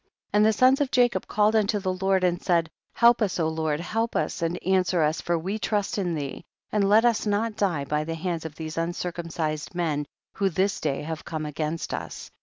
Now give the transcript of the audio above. And the sons of Jacob called unto the Lord and said, help us O Lord, help us and answer us, for we trust in thee, and let us not die by the hands of these uncircumcised men, who this day have come against us, 25.